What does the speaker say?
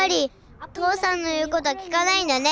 父さんの言うこと聞かないんだね。